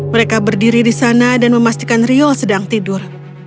mereka berdiri di sana dan memastikan riol sedang tidur